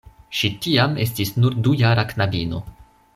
Ŝi tiam estis nur dujara knabino.